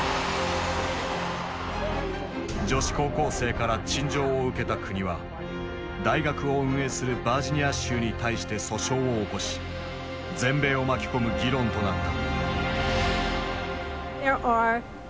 女子高校生から陳情を受けた国は大学を運営するバージニア州に対して訴訟を起こし全米を巻き込む議論となった。